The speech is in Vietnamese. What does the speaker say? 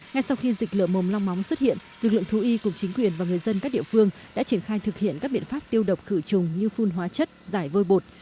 ngay sau khi dịch lở mồm long móng xuất hiện lực lượng thú y cùng chính quyền và người dân các địa phương đã triển khai thực hiện các biện pháp tiêu độc khử trùng như phun hóa chất giải vôi bột